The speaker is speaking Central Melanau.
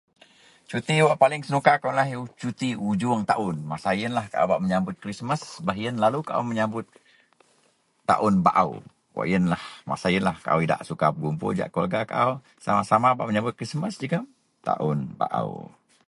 Suti wak paling senuka kou ialah suti ujuong taun. Masa yenlah kaau bak menyabut Krismas, baih yen lalu kaau menyabut taun baou. Wak yenlah, masa yenlah kaau idak suka bekupul jahak keluwerga kaau sama-sama bak menyabut Krismas jegem taun baou